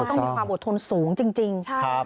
ต้องมีความอดทนสูงจริง